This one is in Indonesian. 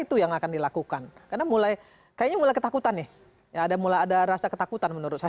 itu yang akan dilakukan karena mulai kayaknya mulai ketakutan nih ya ada mulai ada rasa ketakutan menurut saya